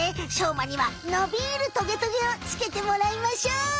まにはのびるトゲトゲをつけてもらいましょう！